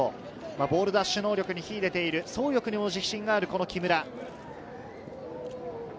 ボール奪取能力に秀でている走力も自信がある木村。